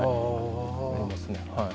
言いますねはい。